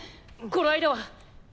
この間は。